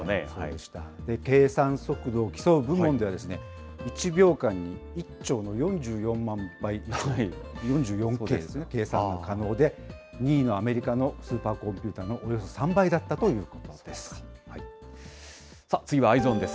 計算速度を競う部門では、１秒間に１兆の４４万倍、計算が可能で、２位のアメリカのスーパーコンピューターのおよそ３倍だったとい次はＥｙｅｓｏｎです。